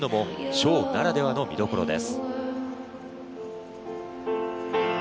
ショーならではの見どころです。